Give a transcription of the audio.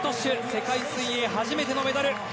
世界水泳初めてのメダル。